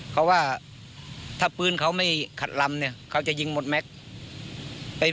เพราะว่าถ้าปืนเขาไม่ขัดลำเนี่ยเขาจะยิงหมดแม็กซ์